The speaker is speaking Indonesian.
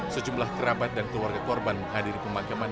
sejumlah kerabat dan keluarga korban menghadiri pemakaman